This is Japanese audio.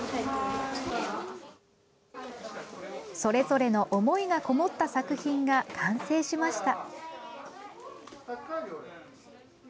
それぞれの思いがこもった作品が完成しました。